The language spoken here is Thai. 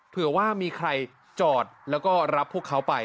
เผื่อว่ามีใครจอดแล้วก็รับพวกเขาไป